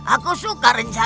aku suka rencanamu